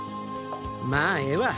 まあええわ！